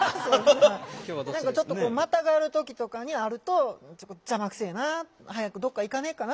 何かちょっとまたがる時とかにあると「邪魔くせえな。早くどっかいかねえかな」